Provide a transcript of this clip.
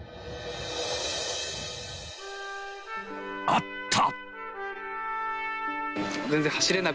［あった！］